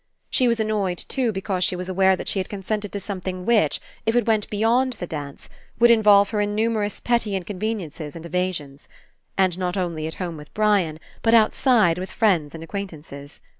She was annoyed, too, because she was aware that she had consented to something which, if It went beyond the dance, would In volve her In numerous petty inconveniences and evasions. And not only at home with Brian, but outside with friends and acquaintances.